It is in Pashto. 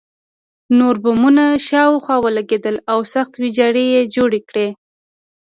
نور بمونه شاوخوا ولګېدل او سخته ویجاړي یې جوړه کړه